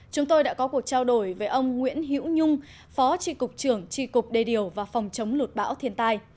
chúng tôi đã có cuộc trao đổi với ông nguyễn hữu nhung phó tri cục trưởng tri cục đê điều và phòng chống lụt bão thiên tai